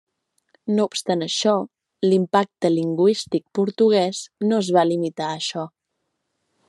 No obstant això, l'impacte lingüístic portuguès no es va limitar a això.